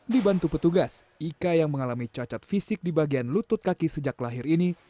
dibantu petugas ika yang mengalami cacat fisik di bagian lutut kaki sejak lahir ini